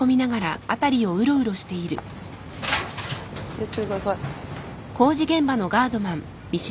気を付けてください。